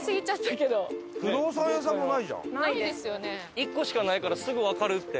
１個しかないからすぐわかるって。